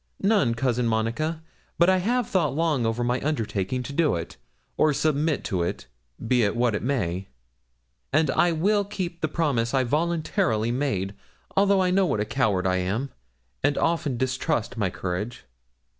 'None, Cousin Monica; but I have thought long over my undertaking to do it, or submit to it, be it what it may; and I will keep the promise I voluntarily made, although I know what a coward I am, and often distrust my courage.'